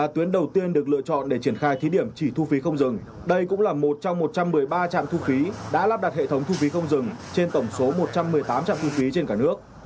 trên tổng số một trăm một mươi tám trạm thu phí trên cả nước